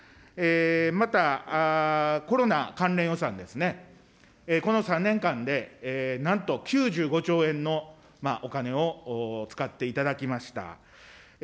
また、コロナ関連予算ですね、この３年間でなんと９５兆円のお金を使っていただきました。